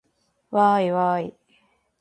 わーいわーい